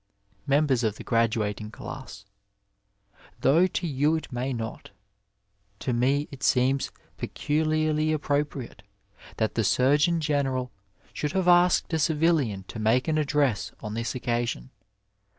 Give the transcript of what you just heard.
Members of the Oraduating Glass : Though to you it may not, to me it seems peculiarly appropriate that the Surgeon General should have asked a civilian to make an address on this occasion.